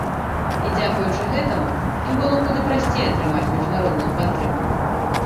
І дзякуючы гэтаму, ім было куды прасцей атрымаць міжнародную падтрымку.